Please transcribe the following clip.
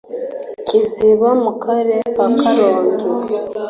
Kiziba mu Karere ka Karongi